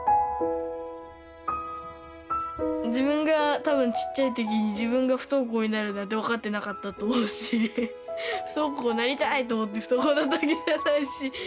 自分が多分ちっちゃい時に自分が不登校になるなんて分かってなかったと思うし不登校なりたいと思って不登校なったわけじゃないし。